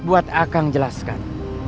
buat akang jelaskan